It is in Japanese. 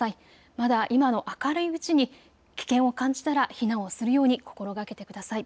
まだ今の明るいうちに危険を感じたら避難をするように心がけてください。